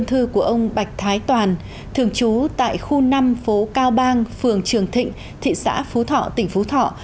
thư của ông bạch thái toàn thường trú tại khu năm phố cao bang phường trường thịnh thị xã phú thọ tỉnh phú thọ